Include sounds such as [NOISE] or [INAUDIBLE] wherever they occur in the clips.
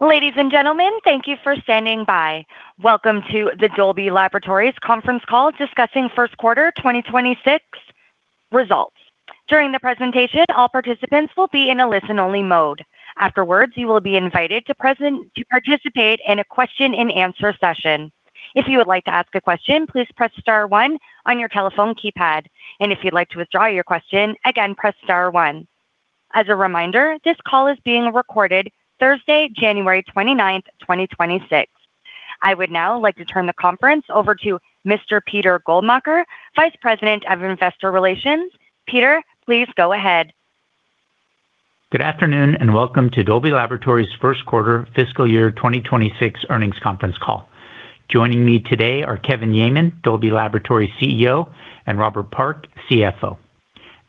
Ladies and gentlemen, thank you for standing by. Welcome to the Dolby Laboratories Conference Call, discussing first quarter 2026 results. During the presentation, all participants will be in a listen-only mode. Afterwards, you will be invited to participate in a question-and-answer session. If you would like to ask a question, please press star one on your telephone keypad, and if you'd like to withdraw your question again, press star one. As a reminder, this call is being recorded Thursday, January 29th, 2026. I would now like to turn the conference over to Mr. Peter Goldmacher, Vice President of Investor Relations. Peter, please go ahead. Good afternoon, and welcome to Dolby Laboratories first quarter fiscal year 2026 earnings conference call. Joining me today are Kevin Yeaman, Dolby Laboratories CEO, and Robert Park, CFO.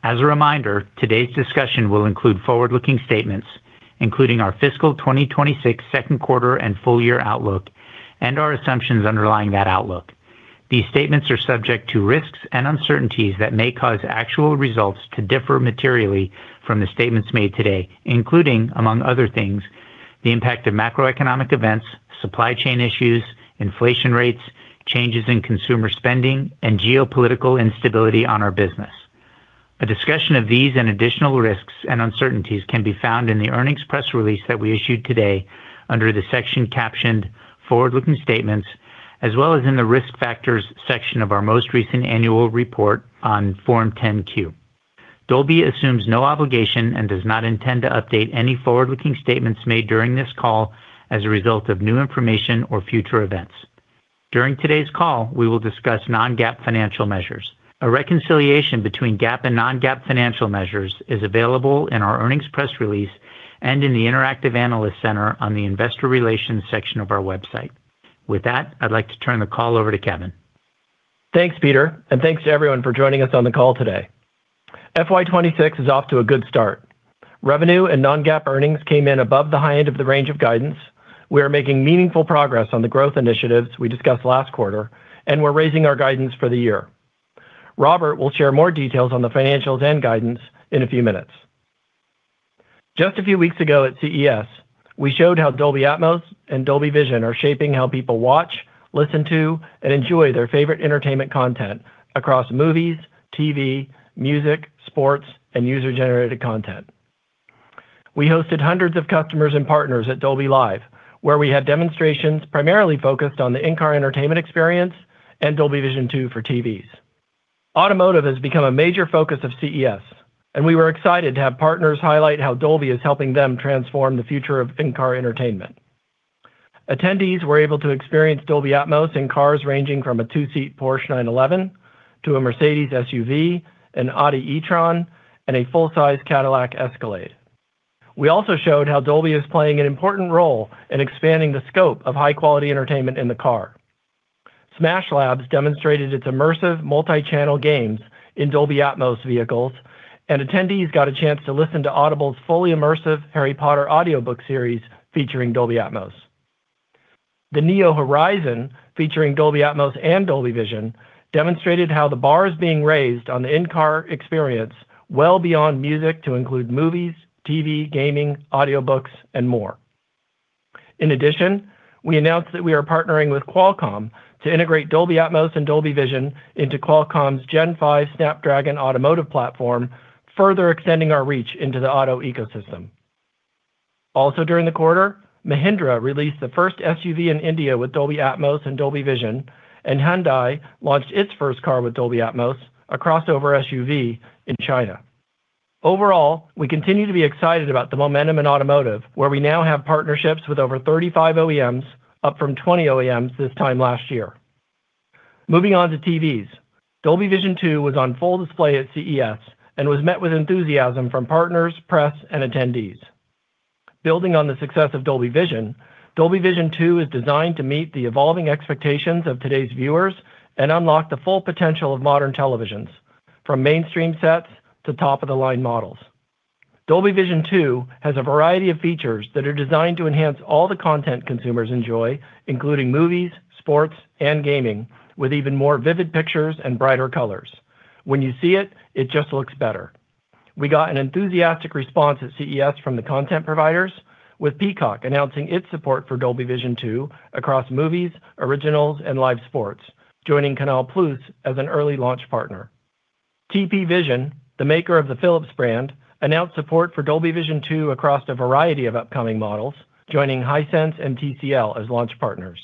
As a reminder, today's discussion will include forward-looking statements, including our fiscal 2026 second quarter and full year outlook, and our assumptions underlying that outlook. These statements are subject to risks and uncertainties that may cause actual results to differ materially from the statements made today, including, among other things, the impact of macroeconomic events, supply chain issues, inflation rates, changes in consumer spending, and geopolitical instability on our business. A discussion of these and additional risks and uncertainties can be found in the earnings press release that we issued today under the section captioned Forward-Looking Statements, as well as in the Risk Factors section of our most recent annual report on Form 10-Q. Dolby assumes no obligation and does not intend to update any forward-looking statements made during this call as a result of new information or future events. During today's call, we will discuss non-GAAP financial measures. A reconciliation between GAAP and non-GAAP financial measures is available in our earnings press release and in the Interactive Analyst Center on the Investor Relations section of our website. With that, I'd like to turn the call over to Kevin. Thanks, Peter, and thanks to everyone for joining us on the call today. FY 2026 is off to a good start. Revenue and Non-GAAP earnings came in above the high end of the range of guidance. We are making meaningful progress on the growth initiatives we discussed last quarter, and we're raising our guidance for the year. Robert will share more details on the financials and guidance in a few minutes. Just a few weeks ago at CES, we showed how Dolby Atmos and Dolby Vision are shaping how people watch, listen to, and enjoy their favorite entertainment content across movies, TV, music, sports, and user-generated content. We hosted hundreds of customers and partners at Dolby Live, where we had demonstrations primarily focused on the in-car entertainment experience and Dolby Vision 2 for TVs. Automotive has become a major focus of CES, and we were excited to have partners highlight how Dolby is helping them transform the future of in-car entertainment. Attendees were able to experience Dolby Atmos in cars ranging from a two-seat Porsche 911 to a Mercedes SUV, an Audi e-tron, and a full-size Cadillac Escalade. We also showed how Dolby is playing an important role in expanding the scope of high-quality entertainment in the car. Smash Labs demonstrated its immersive multi-channel games in Dolby Atmos vehicles, and attendees got a chance to listen to Audible's fully immersive Harry Potter audiobook series featuring Dolby Atmos. The NIO Horizon, featuring Dolby Atmos and Dolby Vision, demonstrated how the bar is being raised on the in-car experience well beyond music to include movies, TV, gaming, audiobooks, and more. In addition, we announced that we are partnering with Qualcomm to integrate Dolby Atmos and Dolby Vision into Qualcomm's Gen 5 Snapdragon automotive platform, further extending our reach into the auto ecosystem. Also during the quarter, Mahindra released the first SUV in India with Dolby Atmos and Dolby Vision, and Hyundai launched its first car with Dolby Atmos, a crossover SUV in China. Overall, we continue to be excited about the momentum in automotive, where we now have partnerships with over 35 OEMs, up from 20 OEMs this time last year. Moving on to TVs. Dolby Vision 2 was on full display at CES and was met with enthusiasm from partners, press, and attendees. Building on the success of Dolby Vision, Dolby Vision 2 is designed to meet the evolving expectations of today's viewers and unlock the full potential of modern televisions, from mainstream sets to top-of-the-line models. Dolby Vision 2 has a variety of features that are designed to enhance all the content consumers enjoy, including movies, sports, and gaming, with even more vivid pictures and brighter colors. When you see it, it just looks better. We got an enthusiastic response at CES from the content providers, with Peacock announcing its support for Dolby Vision 2 across movies, originals, and live sports, joining Canal+ as an early launch partner. TP Vision, the maker of the Philips brand, announced support for Dolby Vision 2 across a variety of upcoming models, joining Hisense and TCL as launch partners.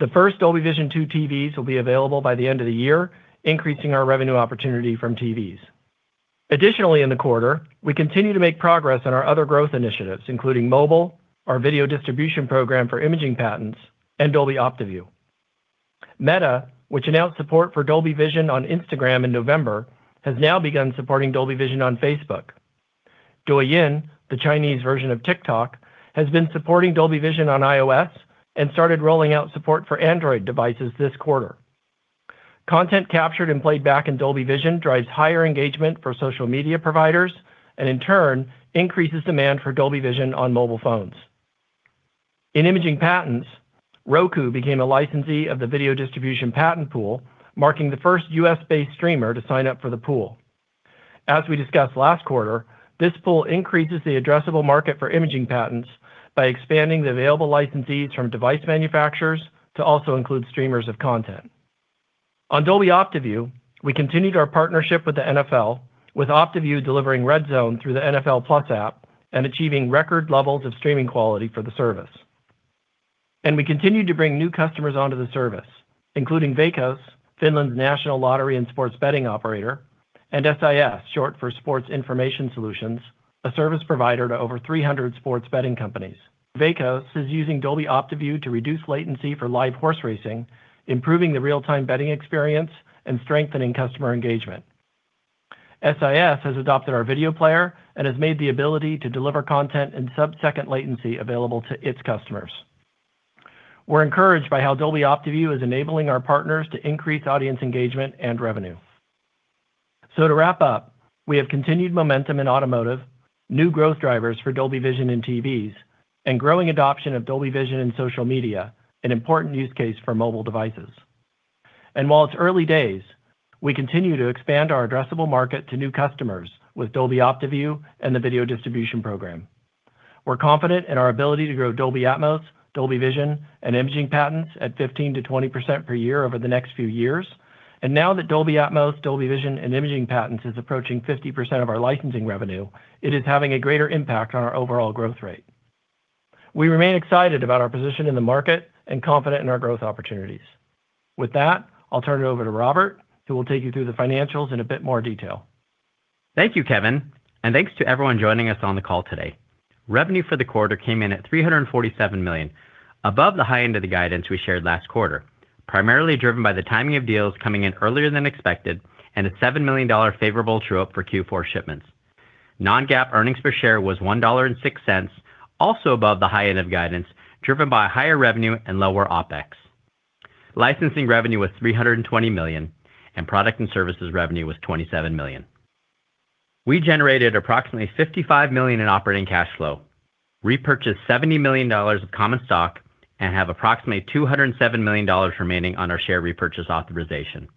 The first Dolby Vision 2 TVs will be available by the end of the year, increasing our revenue opportunity from TVs. Additionally, in the quarter, we continue to make progress on our other growth initiatives, including mobile, our video distribution program for Imaging Patents, and Dolby OptiView. Meta, which announced support for Dolby Vision on Instagram in November, has now begun supporting Dolby Vision on Facebook. Douyin, the Chinese version of TikTok, has been supporting Dolby Vision on iOS and started rolling out support for Android devices this quarter. Content captured and played back in Dolby Vision drives higher engagement for social media providers and, in turn, increases demand for Dolby Vision on mobile phones. In Imaging Patents, Roku became a licensee of the video distribution patent pool, marking the first U.S.-based streamer to sign up for the pool. As we discussed last quarter, this pool increases the addressable market for Imaging Patents by expanding the available licensees from device manufacturers to also include streamers of content. On Dolby OptiView, we continued our partnership with the NFL, with OptiView delivering RedZone through the NFL Plus app and achieving record levels of streaming quality for the service. We continued to bring new customers onto the service, including Veikkaus, Finland's national lottery and sports betting operator, and SIS, short for Sports Information Solutions, a service provider to over 300 sports betting companies. Veikkaus is using Dolby OptiView to reduce latency for live horse racing, improving the real-time betting experience and strengthening customer engagement. SIS has adopted our video player and has made the ability to deliver content and sub-second latency available to its customers. We're encouraged by how Dolby OptiView is enabling our partners to increase audience engagement and revenue. To wrap up, we have continued momentum in automotive, new growth drivers for Dolby Vision and TVs, and growing adoption of Dolby Vision and social media, an important use case for mobile devices. While it's early days, we continue to expand our addressable market to new customers with Dolby OptiView and the video distribution program. We're confident in our ability to grow Dolby Atmos, Dolby Vision, and Imaging Patents at 15%-20% per year over the next few years. Now that Dolby Atmos, Dolby Vision, and Imaging Patents is approaching 50% of our licensing revenue, it is having a greater impact on our overall growth rate. We remain excited about our position in the market and confident in our growth opportunities. With that, I'll turn it over to Robert, who will take you through the financials in a bit more detail. Thank you, Kevin, and thanks to everyone joining us on the call today. Revenue for the quarter came in at $347 million, above the high end of the guidance we shared last quarter, primarily driven by the timing of deals coming in earlier than expected and a $7 million favorable true-up for Q4 shipments. Non-GAAP earnings per share was $1.06, also above the high end of guidance, driven by higher revenue and lower OpEx. Licensing revenue was $320 million, and product and services revenue was $27 million. We generated approximately $55 million in operating cash flow, repurchased $70 million of common stock, and have approximately $207 million remaining on our share repurchase authorization.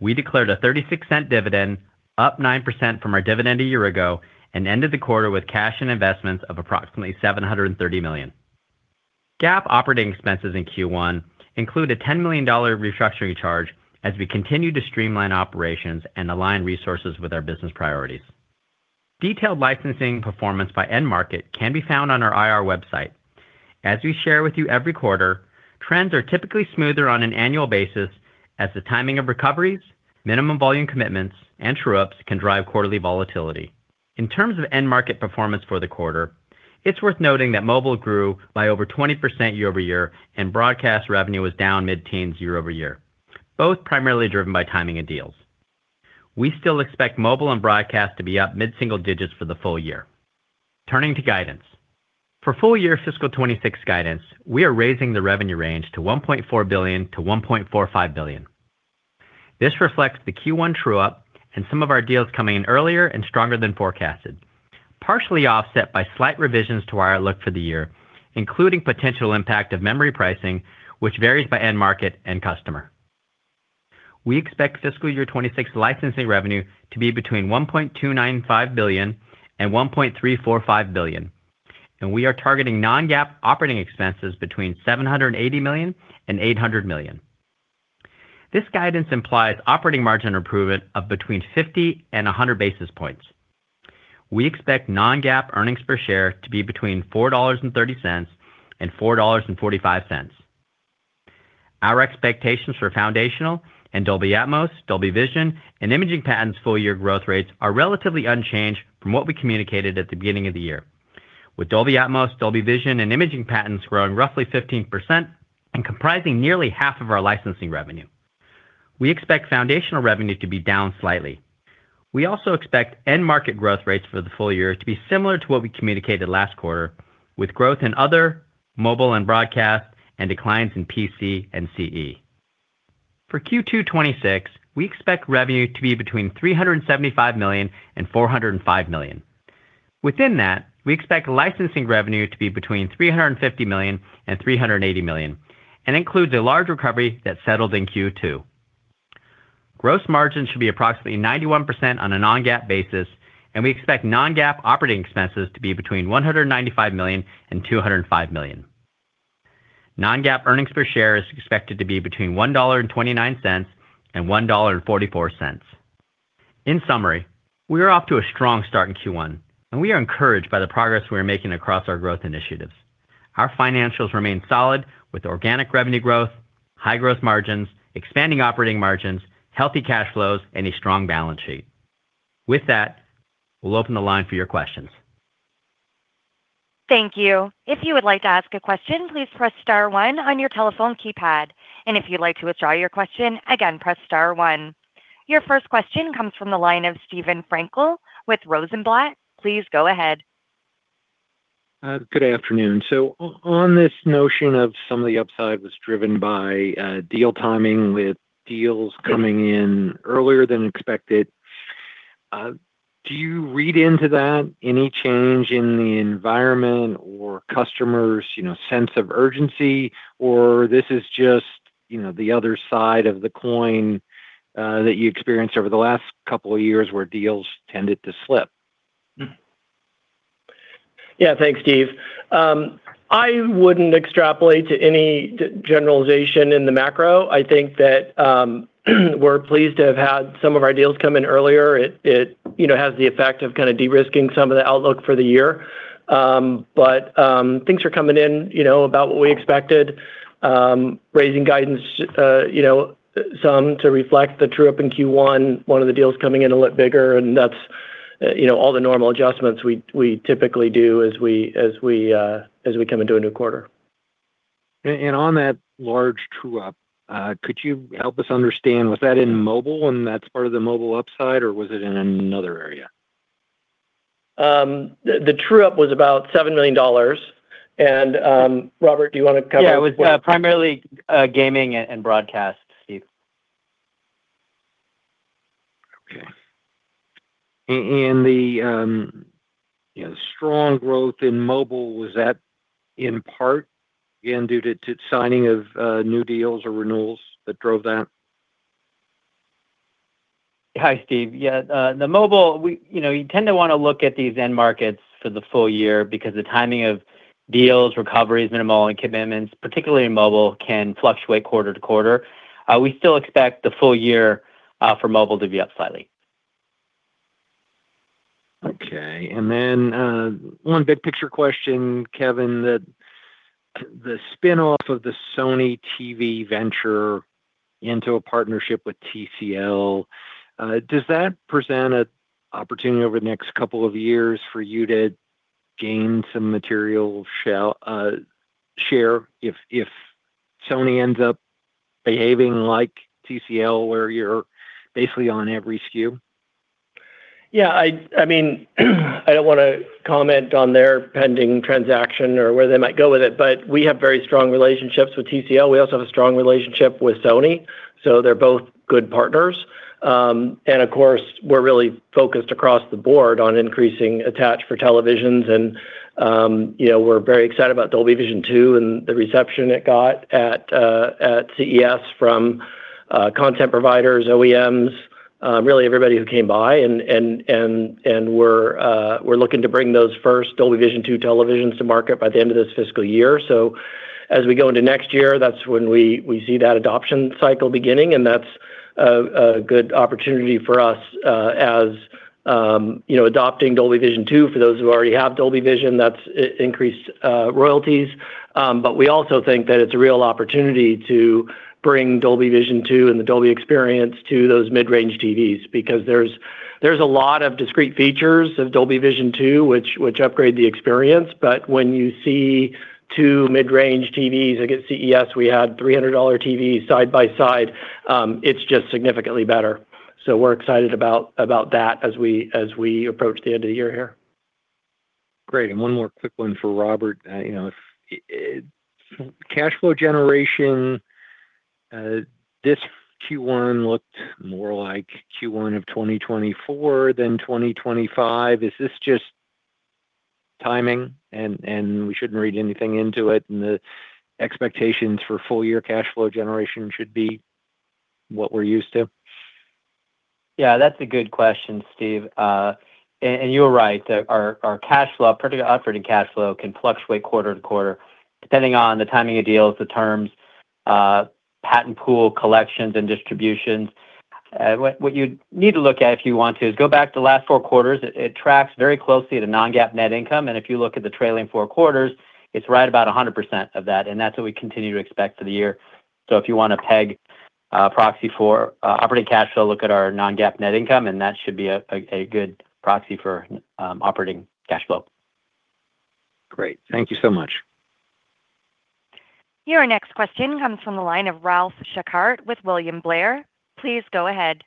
We declared a $0.36 dividend, up 9% from our dividend a year ago, and ended the quarter with cash and investments of approximately $730 million. GAAP operating expenses in Q1 include a $10 million restructuring charge as we continue to streamline operations and align resources with our business priorities. Detailed licensing performance by end market can be found on our IR website. As we share with you every quarter, trends are typically smoother on an annual basis as the timing of recoveries, minimum volume commitments, and true-ups can drive quarterly volatility. In terms of end market performance for the quarter, it's worth noting that mobile grew by over 20% year-over-year, and broadcast revenue was down mid-teens year-over-year, both primarily driven by timing and deals. We still expect mobile and broadcast to be up mid-single digits for the full year. Turning to guidance. For full year fiscal 2026 guidance, we are raising the revenue range to $1.4 billion-$1.45 billion. This reflects the Q1 true-up and some of our deals coming in earlier and stronger than forecasted, partially offset by slight revisions to our outlook for the year, including potential impact of memory pricing, which varies by end market and customer. We expect fiscal year 2026 licensing revenue to be between $1.295 billion and $1.345 billion, and we are targeting non-GAAP operating expenses between $780 million and $800 million. This guidance implies operating margin improvement of between 50 and 100 basis points. We expect non-GAAP earnings per share to be between $4.30 and $4.45. Our expectations for Foundational and Dolby Atmos, Dolby Vision, and Imaging Patents full year growth rates are relatively unchanged from what we communicated at the beginning of the year, with Dolby Atmos, Dolby Vision, and Imaging Patents growing roughly 15% and comprising nearly half of our licensing revenue. We expect Foundational revenue to be down slightly. We also expect end market growth rates for the full year to be similar to what we communicated last quarter, with growth in other mobile and broadcast and declines in PC and CE. For Q2 2026, we expect revenue to be between $375 million and $405 million. Within that, we expect licensing revenue to be between $350 million and $380 million, and includes a large recovery that settled in Q2. Gross margin should be approximately 91% on a non-GAAP basis, and we expect non-GAAP operating expenses to be between $195 million and $205 million. Non-GAAP earnings per share is expected to be between $1.29 and $1.44. In summary, we are off to a strong start in Q1, and we are encouraged by the progress we are making across our growth initiatives. Our financials remain solid, with organic revenue growth, high gross margins, expanding operating margins, healthy cash flows, and a strong balance sheet. With that, we'll open the line for your questions. Thank you. If you would like to ask a question, please press star one on your telephone keypad, and if you'd like to withdraw your question, again, press star one. Your first question comes from the line of Steven Frankel with Rosenblatt. Please go ahead. Good afternoon. So on this notion of some of the upside was driven by deal timing, with deals coming in earlier than expected. Do you read into that any change in the environment or customers' sense of urgency, or this is just, you know, the other side of the coin that you experienced over the last couple of years where deals tended to slip? Yeah. Thanks, Steve. I wouldn't extrapolate to any generalization in the macro. I think that we're pleased to have had some of our deals come in earlier. It you know has the effect of kind of de-risking some of the outlook for the year. But things are coming in, you know, about what we expected, raising guidance, you know, some to reflect the true-up in Q1, one of the deals coming in a lot bigger, and that's you know all the normal adjustments we typically do as we come into a new quarter. And on that large true-up, could you help us understand, was that in mobile, and that's part of the mobile upside, or was it in another area? The true-up was about $7 million. Robert, do you wanna [CROSSTALK] Yeah, it was, primarily, gaming and, and broadcast, Steve. Okay. And the, you know, strong growth in mobile, was that in part again due to signing of new deals or renewals that drove that? Hi, Steve. Yeah, the mobile, you know, you tend to wanna look at these end markets for the full year because the timing of deals, recoveries, minimum, and commitments, particularly in mobile, can fluctuate quarter-to-quarter. We still expect the full year, for mobile to be up slightly. Okay. And then, one big picture question, Kevin, the spin-off of the Sony TV venture into a partnership with TCL, does that present an opportunity over the next couple of years for you to gain some material market share if Sony ends up behaving like TCL, where you're basically on every SKU? Yeah, I mean, I don't wanna comment on their pending transaction or where they might go with it, but we have very strong relationships with TCL. We also have a strong relationship with Sony, so they're both good partners. And of course, we're really focused across the board on increasing attach for televisions. You know, we're very excited about Dolby Vision 2 and the reception it got at CES from content providers, OEMs, really everybody who came by. We're looking to bring those first Dolby Vision 2 televisions to market by the end of this fiscal year. So as we go into next year, that's when we see that adoption cycle beginning, and that's a good opportunity for us as you know, adopting Dolby Vision 2. For those who already have Dolby Vision, that's increased royalties. But we also think that it's a real opportunity to bring Dolby Vision 2 and the Dolby experience to those mid-range TVs, because there's a lot of discrete features of Dolby Vision 2, which upgrade the experience. But when you see two mid-range TVs, like at CES, we had $300 TVs side by side, it's just significantly better. So we're excited about that as we approach the end of the year here. Great. And one more quick one for Robert. You know, if cash flow generation this Q1 looked more like Q1 of 2024 than 2025, is this just timing, and we shouldn't read anything into it, and the expectations for full-year cash flow generation should be what we're used to? Yeah, that's a good question, Steve. And you're right that our cash flow, in particular, operating cash flow, can fluctuate quarter to quarter, depending on the timing of deals, the terms, patent pool collections and distributions. What you'd need to look at, if you want to, is go back to the last four quarters. It tracks very closely to non-GAAP net income, and if you look at the trailing four quarters, it's right about 100% of that, and that's what we continue to expect for the year. So if you want to peg a proxy for operating cash flow, look at our non-GAAP net income, and that should be a good proxy for operating cash flow. Great. Thank you so much. Your next question comes from the line of Ralph Schackart with William Blair. Please go ahead.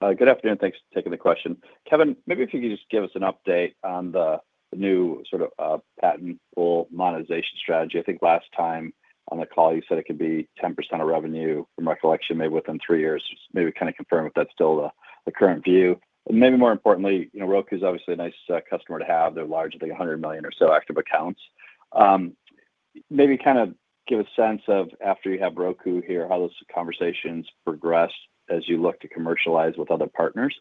Good afternoon. Thanks for taking the question. Kevin, maybe if you could just give us an update on the new sort of patentable monetization strategy. I think last time on the call, you said it could be 10% of revenue, from my recollection, maybe within three years. Maybe kind of confirm if that's still the current view. And maybe more importantly, you know, Roku is obviously a nice customer to have. They're large, I think 100 million or so active accounts. Maybe kind of give a sense of, after you have Roku here, how those conversations progress as you look to commercialize with other partners.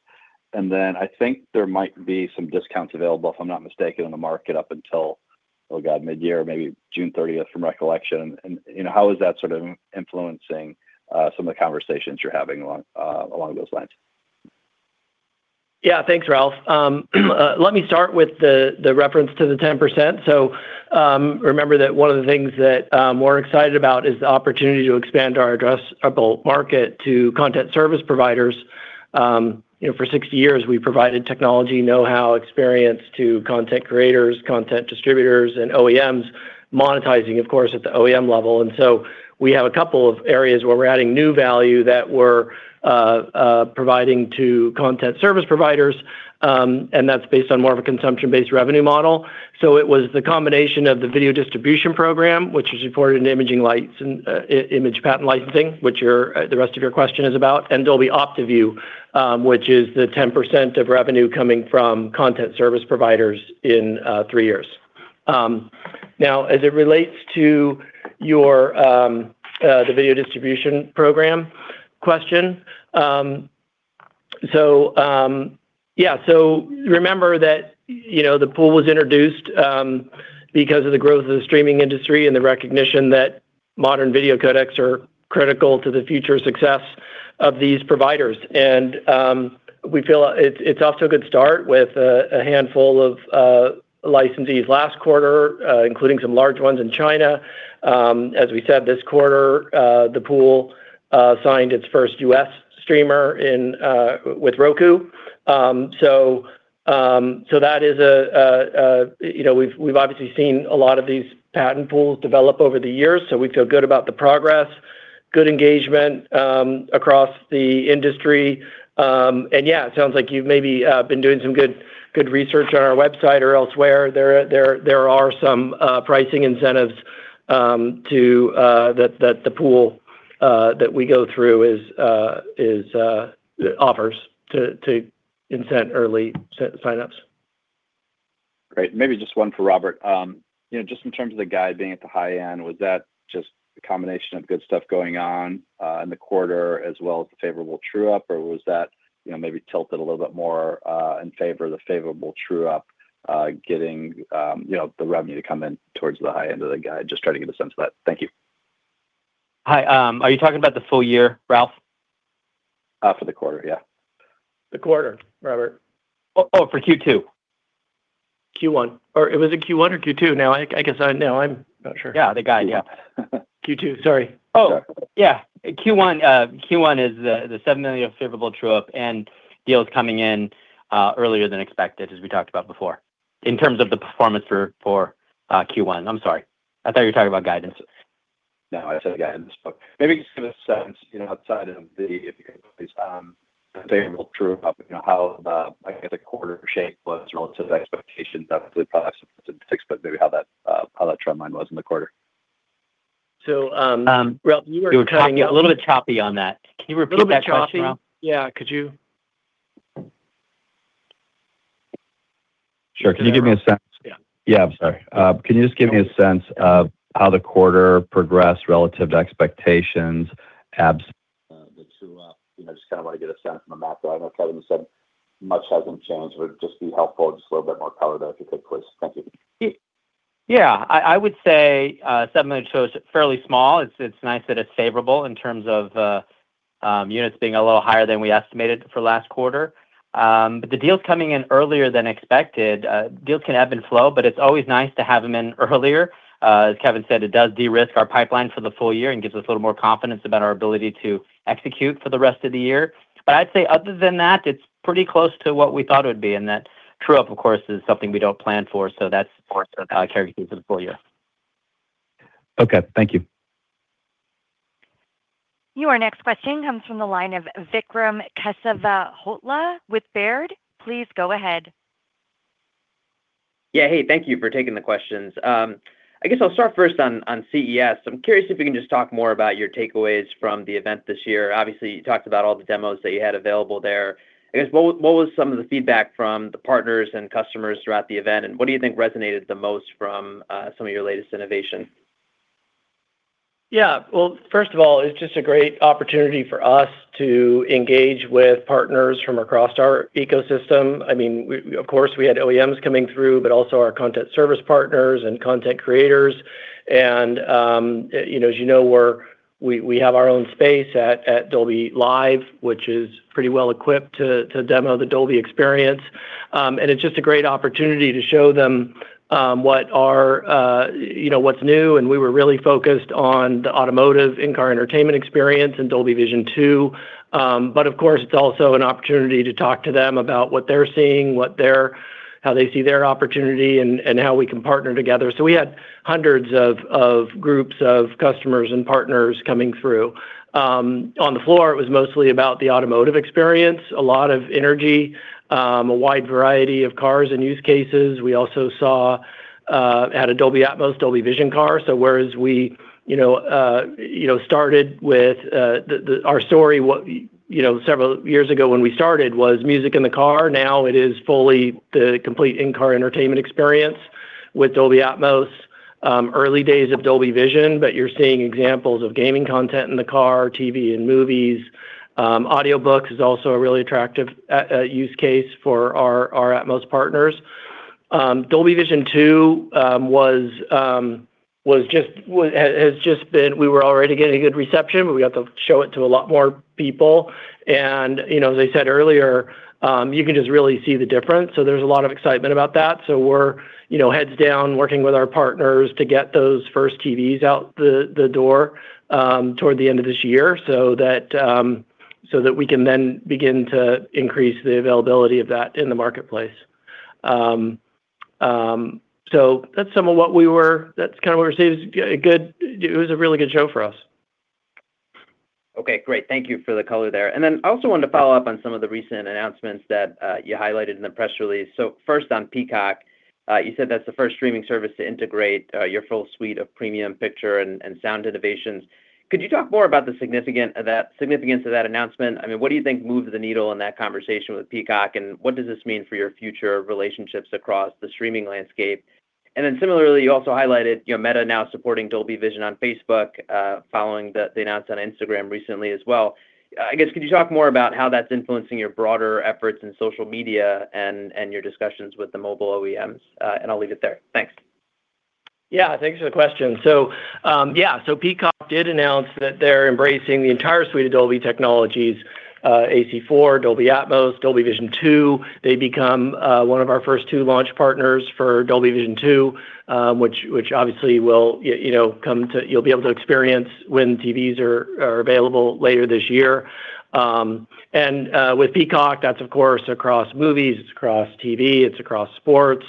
And then, I think there might be some discounts available, if I'm not mistaken, on the market up until midyear, maybe June thirtieth, from my recollection. You know, how is that sort of influencing some of the conversations you're having along those lines? Yeah. Thanks, Ralph. Let me start with the reference to the 10%. So, remember that one of the things that we're excited about is the opportunity to expand our addressable market to content service providers. You know, for 60 years, we've provided technology, know-how, experience to content creators, content distributors, and OEMs, monetizing, of course, at the OEM level. And so we have a couple of areas where we're adding new value that we're providing to content service providers, and that's based on more of a consumption-based revenue model. So it was the combination of the video distribution program, which is supported in imaging license and image patent licensing, which the rest of your question is about, and Dolby OptiView, which is the 10% of revenue coming from content service providers in three years. Now, as it relates to your, the video distribution program question. So, yeah, so remember that, you know, the pool was introduced, because of the growth of the streaming industry and the recognition that modern video codecs are critical to the future success of these providers. And, we feel it's off to a good start with a handful of licensees last quarter, including some large ones in China. As we said this quarter, the pool signed its first U.S. streamer in with Roku. So that is a, you know, we've obviously seen a lot of these patent pools develop over the years, so we feel good about the progress, good engagement across the industry. And yeah, it sounds like you've maybe been doing some good, good research on our website or elsewhere. There are some pricing incentives that the pool that we go through offers to incent early signups. Great. Maybe just one for Robert. You know, just in terms of the guide being at the high end, was that just a combination of good stuff going on in the quarter as well as the favorable true-up? Or was that, you know, maybe tilted a little bit more in favor of the favorable true-up getting, you know, the revenue to come in towards the high end of the guide? Just trying to get a sense of that. Thank you. Hi. Are you talking about the full year, Ralph? For the quarter. The quarter, Robert. Oh, oh, for Q2. Q1. Or was it Q1 or Q2 now? I guess... No, I'm not sure. Yeah, the guide. Yeah. Q2, sorry. Oh, yeah. Q1. Q1 is the $7 million of favorable true-up and deals coming in earlier than expected, as we talked about before. In terms of the performance for Q1. I'm sorry. I thought you were talking about guidance. No, I said guidance. But maybe just give a sense, you know, outside of the, if you could, please, favorable true-up, you know, how the, like, the quarter shape was relative to the expectations, obviously, products in the fix, but maybe how that, how that trend line was in the quarter. So. Ralph, you were cutting a little bit choppy on that. Can you repeat that question, Ralph? A little bit choppy? Yeah, could you? Sure. Can you give me a sense. Yeah, I'm sorry. Can you just give me a sense of how the quarter progressed relative to expectations, the true-up. You know, just kinda wanna get a sense from the map, but I know Kevin said much hasn't changed, but it would just be helpful. Just a little bit more color there, if you could, please. Thank you. Yeah. I would say segment shows fairly small. It's nice that it's favorable in terms of units being a little higher than we estimated for last quarter. But the deals coming in earlier than expected, deals can ebb and flow, but it's always nice to have them in earlier. As Kevin said, it does de-risk our pipeline for the full year and gives us a little more confidence about our ability to execute for the rest of the year. But I'd say other than that, it's pretty close to what we thought it would be, and that true-up, of course, is something we don't plan for, so that's more of a characteristic for the full year. Okay, thank you. Your next question comes from the line of Vikram Kesavabhotla with Baird. Please go ahead. Yeah. Hey, thank you for taking the questions. I guess I'll start first on CES. I'm curious if you can just talk more about your takeaways from the event this year. Obviously, you talked about all the demos that you had available there. I guess, what was some of the feedback from the partners and customers throughout the event, and what do you think resonated the most from some of your latest innovation? Yeah. Well, first of all, it's just a great opportunity for us to engage with partners from across our ecosystem. I mean, we of course we had OEMs coming through, but also our content service partners and content creators. And you know, as you know, we're we have our own space at Dolby Live, which is pretty well equipped to demo the Dolby experience. And it's just a great opportunity to show them what our you know what's new, and we were really focused on the automotive in-car entertainment experience and Dolby Vision, too. But of course, it's also an opportunity to talk to them about what they're seeing, what they're how they see their opportunity, and how we can partner together. So we had hundreds of groups of customers and partners coming through. On the floor, it was mostly about the automotive experience, a lot of energy, a wide variety of cars and use cases. We also had a Dolby Atmos, Dolby Vision car. So whereas we, you know, you know, started with. Our story, you know, several years ago when we started, was music in the car. Now it is fully the complete in-car entertainment experience with Dolby Atmos. Early days of Dolby Vision, but you're seeing examples of gaming content in the car, TV and movies. Audiobook is also a really attractive use case for our Atmos partners. Dolby Vision 2 has just been. We were already getting a good reception, but we got to show it to a lot more people. You know, as I said earlier, you can just really see the difference, so there's a lot of excitement about that. So we're, you know, heads down, working with our partners to get those first TVs out the door, toward the end of this year, so that we can then begin to increase the availability of that in the marketplace. So that's some of what we're seeing. It was a really good show for us. Okay, great. Thank you for the color there. And then I also wanted to follow up on some of the recent announcements that you highlighted in the press release. So first on Peacock, you said that's the first streaming service to integrate your full suite of premium picture and sound innovations. Could you talk more about the significance of that announcement? I mean, what do you think moved the needle in that conversation with Peacock, and what does this mean for your future relationships across the streaming landscape? And then similarly, you also highlighted, you know, Meta now supporting Dolby Vision on Facebook, following the they announced on Instagram recently as well. I guess, could you talk more about how that's influencing your broader efforts in social media and your discussions with the mobile OEMs? And I'll leave it there. Thanks. Yeah, thanks for the question. So, yeah, so Peacock did announce that they're embracing the entire suite of Dolby technologies, AC-4, Dolby Atmos, Dolby Vision 2. They become one of our first two launch partners for Dolby Vision 2, which obviously will, you know, you'll be able to experience when TVs are available later this year. And, with Peacock, that's of course across movies, it's across TV, it's across sports.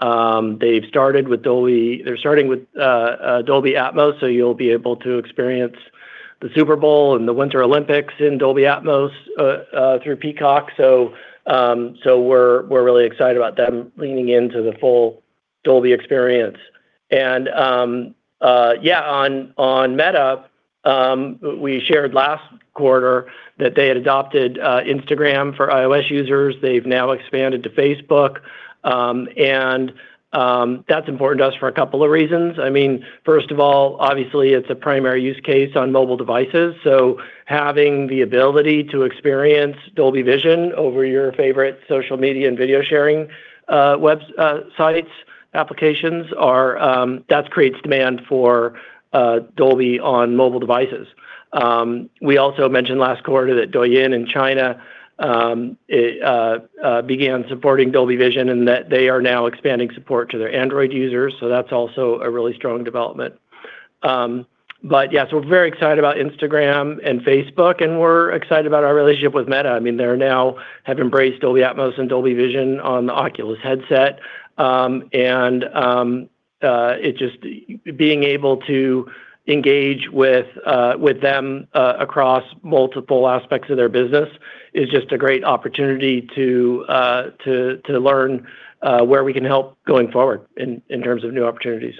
They've started with they're starting with Dolby Atmos, so you'll be able to experience the Super Bowl and the Winter Olympics in Dolby Atmos through Peacock. So, we're really excited about them leaning into the full Dolby experience. And, yeah, on Meta, we shared last quarter that they had adopted Instagram for iOS users. They've now expanded to Facebook. And that's important to us for a couple of reasons. I mean, first of all, obviously, it's a primary use case on mobile devices, so having the ability to experience Dolby Vision over your favorite social media and video sharing web sites applications are that creates demand for Dolby on mobile devices. We also mentioned last quarter that Douyin in China began supporting Dolby Vision, and that they are now expanding support to their Android users, so that's also a really strong development. But yeah, so we're very excited about Instagram and Facebook, and we're excited about our relationship with Meta. I mean, they now have embraced Dolby Atmos and Dolby Vision on the Oculus headset. It just being able to engage with them across multiple aspects of their business is just a great opportunity to learn where we can help going forward in terms of new opportunities.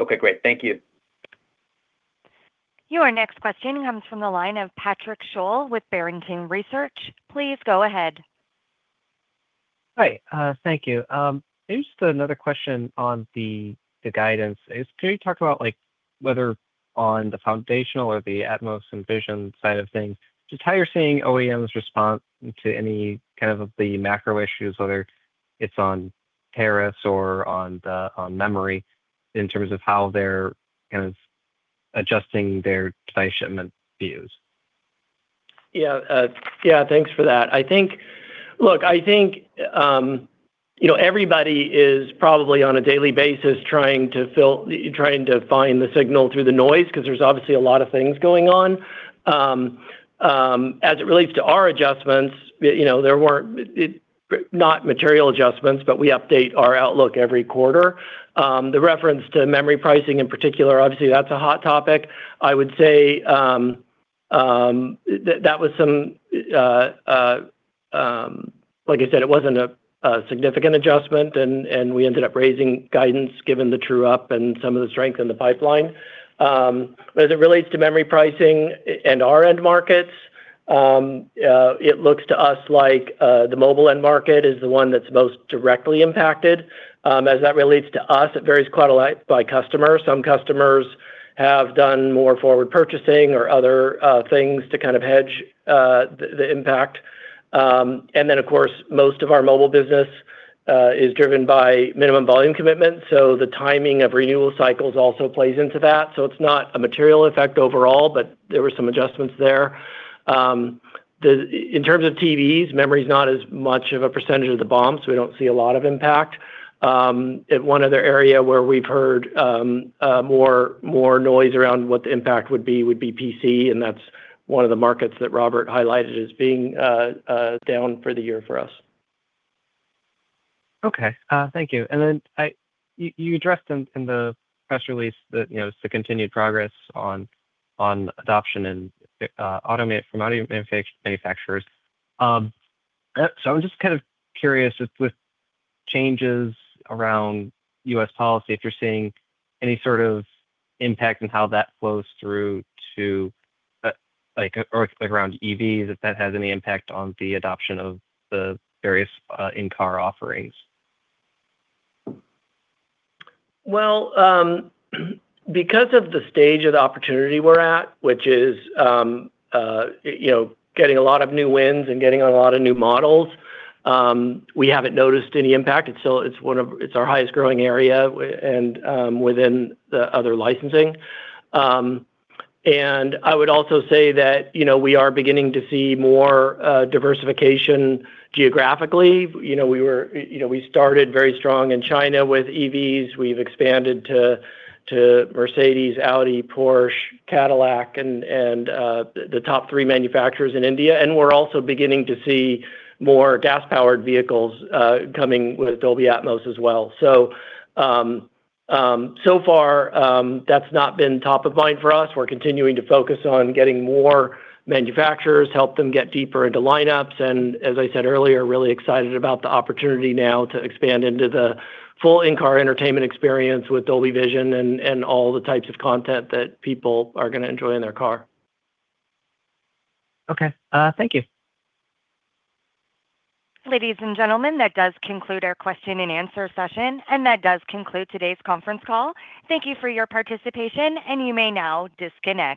Okay, great. Thank you. Your next question comes from the line of Patrick Sholl with Barrington Research. Please go ahead. Hi, thank you. Maybe just another question on the, the guidance. Can you talk about, like, whether on the foundational or the Atmos and Vision side of things, just how you're seeing OEMs respond to any kind of the macro issues, whether it's on tariffs or on the, on memory, in terms of how they're kind of adjusting their supply shipment views? Yeah. Yeah, thanks for that. I think. Look, I think, you know, everybody is probably on a daily basis trying to find the signal through the noise, 'cause there's obviously a lot of things going on. As it relates to our adjustments, you know, there weren't material adjustments, but we update our outlook every quarter. The reference to memory pricing, in particular, obviously, that's a hot topic. I would say that that was some... Like I said, it wasn't a significant adjustment, and we ended up raising guidance, given the true up and some of the strength in the pipeline. But as it relates to memory pricing and our end markets, it looks to us like the mobile end market is the one that's most directly impacted. As that relates to us, it varies quite a lot by customers. Some customers have done more forward purchasing or other things to kind of hedge the impact. And then, of course, most of our mobile business is driven by minimum volume commitment, so the timing of renewal cycles also plays into that. It's not a material effect overall, but there were some adjustments there. In terms of TVs, memory is not as much of a percentage of the BOM, so we don't see a lot of impact. And one other area where we've heard more noise around what the impact would be would be PC, and that's one of the markets that Robert highlighted as being down for the year for us. Okay, thank you. And then you addressed in the press release that, you know, the continued progress on adoption and automotive from auto manufacturers. So I'm just kind of curious with changes around U.S. policy, if you're seeing any sort of impact and how that flows through to, like, or like around EVs, if that has any impact on the adoption of the various in-car offerings. Well, because of the stage of the opportunity we're at, which is, you know, getting a lot of new wins and getting a lot of new models, we haven't noticed any impact. It's still, it's one of. It's our highest growing area and within the other licensing. And I would also say that, you know, we are beginning to see more diversification geographically. You know, we were, you know, we started very strong in China with EVs. We've expanded to Mercedes, Audi, Porsche, Cadillac, and the top three manufacturers in India, and we're also beginning to see more gas-powered vehicles coming with Dolby Atmos as well. So, so far, that's not been top of mind for us. We're continuing to focus on getting more manufacturers, help them get deeper into lineups, and as I said earlier, really excited about the opportunity now to expand into the full in-car entertainment experience with Dolby Vision and all the types of content that people are gonna enjoy in their car. Okay. Thank you. Ladies and gentlemen, that does conclude our question-and-answer session, and that does conclude today's conference call. Thank you for your participation, and you may now disconnect.